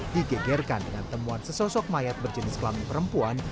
digegerkan dengan temuan sesosok mayat berjenis kelamin perempuan